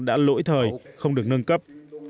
đã lỗi thời không được nâng cấp